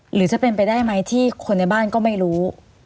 หรือจะเป็นไปได้ไหมที่คนในบ้านก็ไม่รู้